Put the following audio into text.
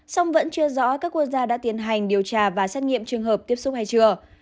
song vẫn chưa rõ các quốc gia đã tiến hành điều tra và xét nghiệm trường hợp tiếp xúc hay chưa